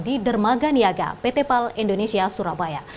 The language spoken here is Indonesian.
di dermaga niaga pt pal indonesia surabaya